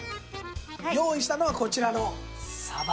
用意したのはこちらのサバ。